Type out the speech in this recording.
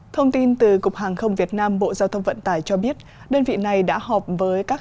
thông tin từ cục hàng không việt nam bộ giao thông vận tải cho biết đơn vị này đã họp với các